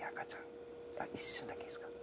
一瞬だけいいですか？